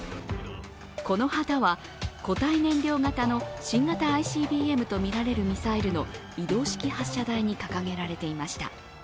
この旗は、固体燃料型の新型ＩＣＢＭとみられるミサイルの移動式発射台に掲げられていました。